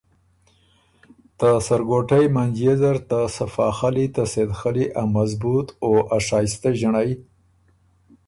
ته سرګوټئ منجيې زر ته صفاخلی ته سېد خلّي ا مضبُوط او ا شائستۀ ݫِنړئ،